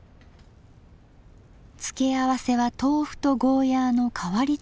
付け合わせは豆腐とゴーヤーの変わり漬物で。